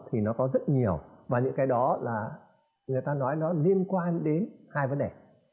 thì nó có rất nhiều và những cái đó là người ta nói nó liên quan đến hai vấn đề